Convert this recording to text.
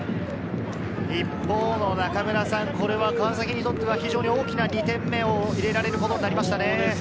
一方の川崎にとっては非常に大きな２点目を入れられることになりましたね。